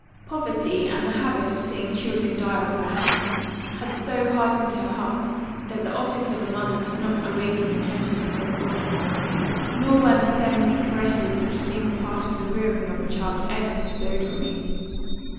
"Poverty, and the habit of seeing children die off her hands, had so hardened her heart, that the office of a mother did not awaken the tenderness of a woman; nor were the feminine caresses which seem a part of the rearing of a child, ever bestowed on me.